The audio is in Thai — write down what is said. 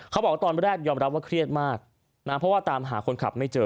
เขาบอกว่าตอนแรกยอมรับว่าเครียดมากนะเพราะว่าตามหาคนขับไม่เจอ